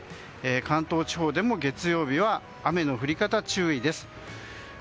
関東地方でも月曜日は雨の降り方、注意です。